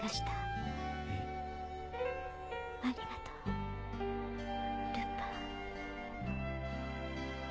ありがとうルパン。